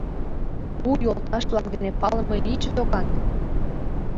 — У йолташ-влак дене палыме лийыч докан?